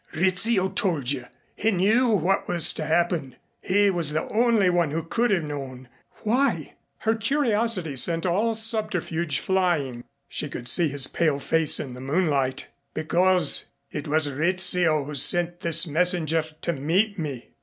Rizzio told you He knew what was to happen he was the only one who could have known." "Why?" Her curiosity sent all subterfuge flying. She could see his pale face in the moonlight. "Because it was Rizzio who sent this messenger to meet me."